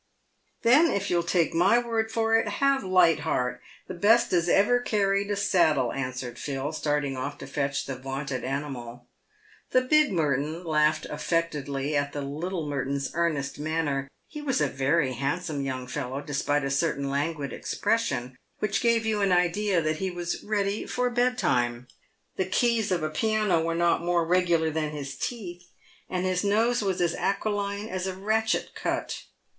" Then, if you'll take my word for it, have Light Heart, the best as ever carried a saddle," answered Phil, starting off to fetch the vaunted animal. The big Merton laughed affectedly at the little Merton's earnest manner. He was a very handsome young fellow, despite a certain languid expression, which gave you an idea that he was ready for bed time. The keys of a piano were not more regular than his teeth, and his nose was as aquiline as a ratchet cut.